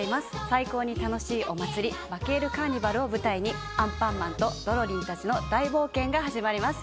最高に楽しいお祭りバケールカーニバルを舞台にアンパンマンとドロリンたちの大冒険が始まります。